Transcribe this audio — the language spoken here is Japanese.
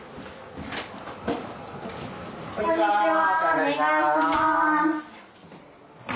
お願いします。